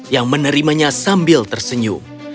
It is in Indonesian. yang menerimanya sambil tersenyum